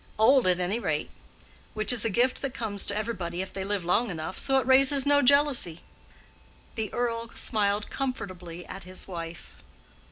Old, at any rate; which is a gift that comes to everybody if they live long enough, so it raises no jealousy." The Earl smiled comfortably at his wife.